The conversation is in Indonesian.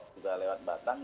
juga lewat batang